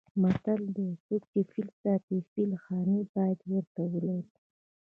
متل دی: څوک چې فیل ساتي فیل خانې باید ورته ولري.